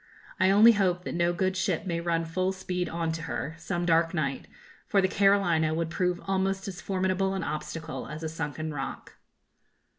I only hope that no good ship may run full speed on to her, some dark night, for the 'Carolina' would prove almost as formidable an obstacle as a sunken rock.